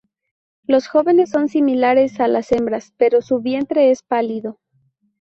Los jóvenes son similares a las hembras, pero su vientre es pálido.